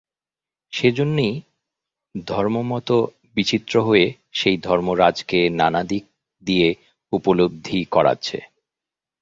সেইজন্যেই ধর্মমত বিচিত্র হয়ে সেই ধর্মরাজকে নানা দিক দিয়ে উপলব্ধি করাচ্ছে।